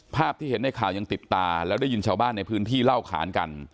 ภาพที่เห็นในข่าวยังติดตาแล้วได้ยินชาวบ้านในพื้นที่เล่าขานกัน